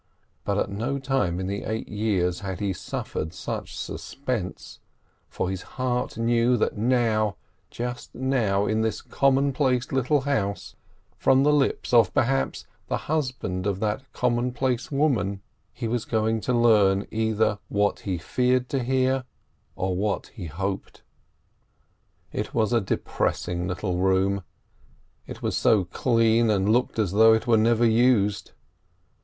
But at no time in the eight years had he suffered such suspense, for his heart knew that now, just now in this commonplace little house, from the lips of, perhaps, the husband of that commonplace woman, he was going to learn either what he feared to hear, or what he hoped. It was a depressing little room; it was so clean, and looked as though it were never used.